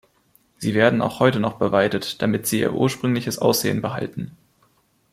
Sie werden auch heute noch beweidet, damit sie ihr ursprüngliches Aussehen behalten.